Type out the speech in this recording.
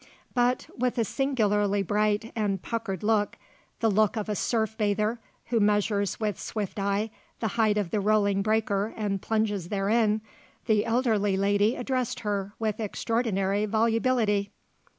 But, with a singularly bright and puckered look, the look of a surf bather, who measures with swift eye the height of the rolling breaker and plunges therein, the elderly lady addressed her with extraordinary volubility.